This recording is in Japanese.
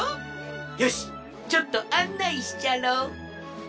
よしちょっとあんないしちゃろう。